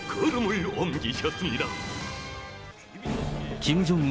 キム・ジョンウン